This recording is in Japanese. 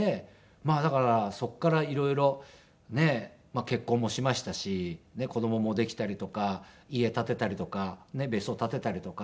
まあだからそこから色々ねえ結婚もしましたし子供もできたりとか家建てたりとか別荘建てたりとか。